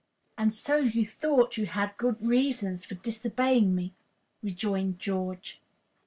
"And so you thought you had good reasons for disobeying me," rejoined George.